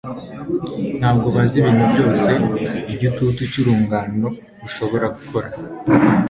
ntabwo bazi ibintu byose igitutu cyurungano rushobora gukora